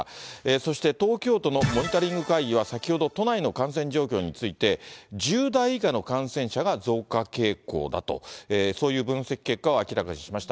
そして東京都のモニタリング会議は先ほど都内の感染状況について、１０代以下の感染者が増加傾向だと、そういう分析結果を明らかにしました。